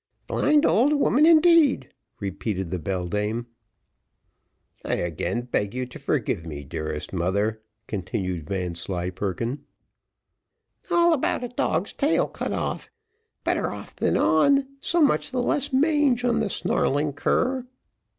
"Blind old woman, indeed," repeated the beldame. "I again beg you to forgive me, dearest mother," continued Vanslyperken. "All about a dog's tail cut off. Better off than on so much the less mange on the snarling cur."